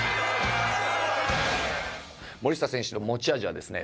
森下選手の持ち味はですね